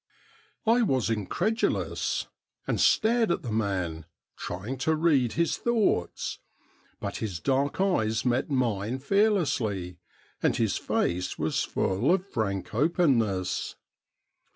I was incredulous, and stared at the man, trying to read his thoughts ; but his dark eyes met mine fearlessly, and his face was full of frank openness.